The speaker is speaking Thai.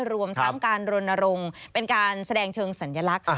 รวมทั้งการรณรงค์เป็นการแสดงเชิงสัญลักษณ์